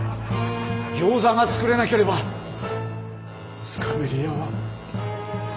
ギョーザが作れなければスカベリアは。